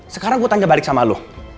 sekarang gue tanya balik sama lo